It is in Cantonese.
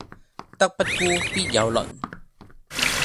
德不孤必有鄰